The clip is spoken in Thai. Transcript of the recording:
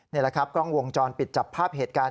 นี่แหละครับกล้องวงจรปิดจับภาพเหตุการณ์